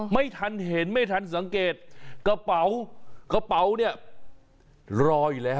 ไม่ทันเห็นไม่ทันสังเกตกระเป๋ากระเป๋าเนี่ยรออยู่แล้ว